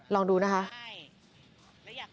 ลองดูนะคะ